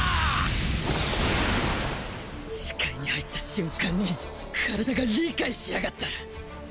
視界に入った瞬間に身体が理解しやがった。